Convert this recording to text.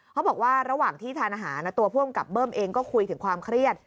เขาบอกว่าระหว่างที่ทานอาหารตัวผู้กำกับเบิ้มเองก็คุยถึงความเครียด